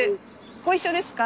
ご一緒ですか？